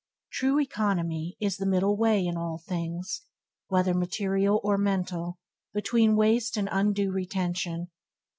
True economy is the middle way in all things, whether material or mental, between waste and undue retention.